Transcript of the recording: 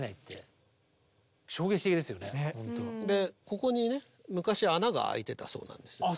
ここにね昔穴があいてたそうなんです。